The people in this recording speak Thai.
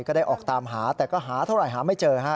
ก็ได้ออกตามหาแต่ก็หาเท่าไหร่หาไม่เจอฮะ